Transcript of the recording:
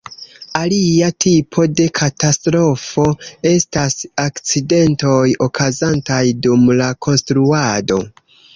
Alia tipo de katastrofo estas akcidentoj okazantaj dum la konstruado.